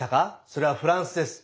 それはフランスです。